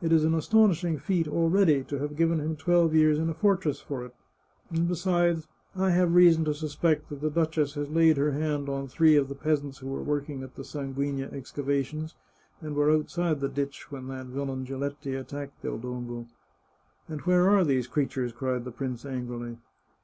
It is an astonishing feat, already, to have given him twelve years in a fortress for it, and besides, I have reason to suspect the duchess has laid her hand on three of the peasants who were working at the Sanguigpia excavations, and were outside the ditch when that villain Giletti attacked Del Dongo." " And where are these witnesses ?" cried the prince angrily.